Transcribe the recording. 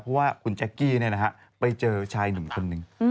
เพราะว่าคุณแจ๊กกี้ไปเจอชายหนุ่มคนหนึ่ง